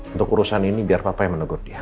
untuk urusan ini biar papa yang menegur dia